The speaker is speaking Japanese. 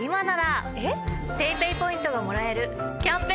ＰａｙＰａｙポイントがもらえるキャンペーンも実施中です。